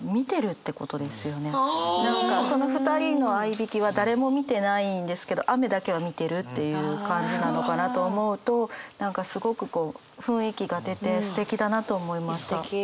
何かその２人のあいびきは誰も見てないんですけど雨だけは見てるっていう感じなのかなと思うと何かすごくこう雰囲気が出てすてきだなと思いました。